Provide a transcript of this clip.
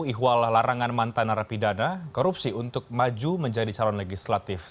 ihwal larangan mantan narapidana korupsi untuk maju menjadi calon legislatif